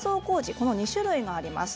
この２種類があります。